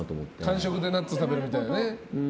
間食でナッツ食べるみたいなね。